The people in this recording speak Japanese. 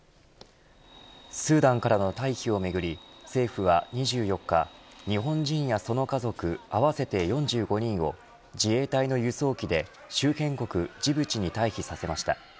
スーダンからの退避をめぐり政府は２４日日本人やその家族合わせて４５人を自衛隊の輸送機で周辺国ジブチに退避させました。